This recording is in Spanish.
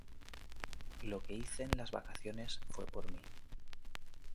Lo que hice en las vacaciones fue por mí.